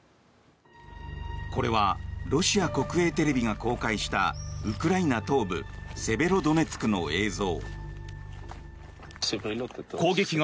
これはロシア国営テレビが公開したウクライナ東部セベロドネツクの映像。